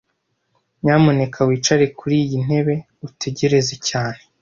Nyamuneka wicare kuriyi ntebe utegereze cyane